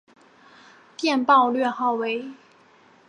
电报略号为。